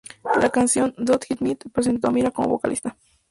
La canción "Don't Eat Meat" presentó a Mira como vocalista.